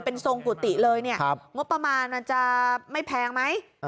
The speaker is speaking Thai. เป็นทรงกุฏิเลยเนี่ยงบประมาณมันจะไม่แพงไหม